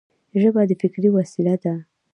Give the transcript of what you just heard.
ژبه د فکر وسیله ده.